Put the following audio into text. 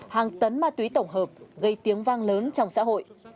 hàng tấn ma túy tổng hợp gây tiếng vang lớn trong xã hội